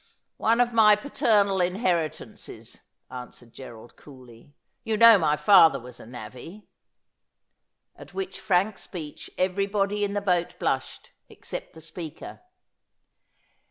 One of my paternal inheritances,' answered Gerald coolly ;' you know my father was a navvy.' At which frank speech everybody in the boat blushed except the speaker.